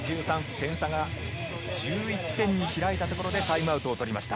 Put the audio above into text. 点差が１１点に開いたところでタイムアウトを取りました。